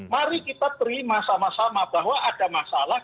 mari kita terima sama sama bahwa ada masalah